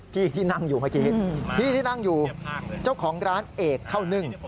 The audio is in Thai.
พี่ที่นั่งอยู่เมื่อกี้พี่ที่นั่งอยู่เจ้าของร้านเอกเข้านึ่ง